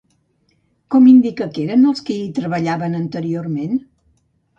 Com indica que eren els qui hi treballaven anteriorment?